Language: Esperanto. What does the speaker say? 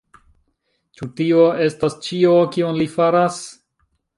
Ĉu tio estas ĉio, kion li faras?